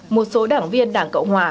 một số đảng viên đảng cộng hòa